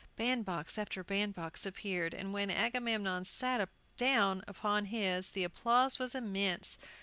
Bandbox after bandbox appeared, and when Agamemnon sat down upon his the applause was immense.